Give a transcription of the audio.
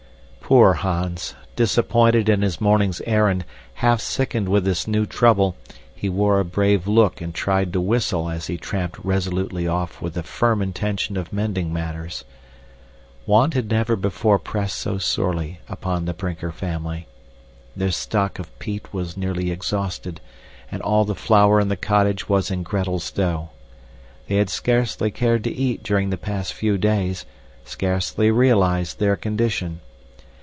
Poor Hans! Disappointed in his morning's errand, half sickened with this new trouble, he wore a brave look and tried to whistle as he tramped resolutely off with the firm intention of mending matters. Want had never before pressed so sorely upon the Brinker family. Their stock of peat was nearly exhausted, and all the flour in the cottage was in Gretel's dough. They had scarcely cared to eat during the past few days, scarcely realized their condition.